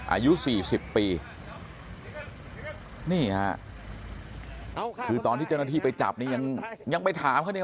อายุสี่สิบปีนี่ฮะคือตอนที่เจ้าหน้าที่ไปจับนี่ยังยังไปถามเขาเนี่ย